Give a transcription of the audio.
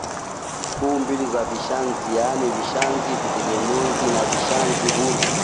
kuu mbili za vishazi yaani vishazi tegemezi na vishazi huru